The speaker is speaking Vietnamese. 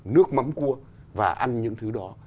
nước mắm cua và ăn những thứ đó